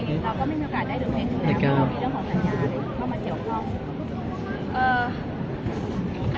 เรามีเรื่องของสัญญาณมาเกี่ยวกับเรา